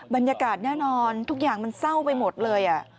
บรรยากาศแน่นอนทุกอย่างมันเศร้าไปหมดเลย